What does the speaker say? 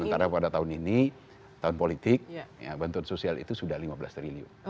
sementara pada tahun ini tahun politik bantuan sosial itu sudah lima belas triliun